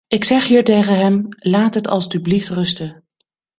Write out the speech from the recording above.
Ik zeg hier tegen hem: laat het alstublieft rusten.